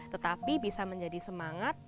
tetapi bisa menjadi semangat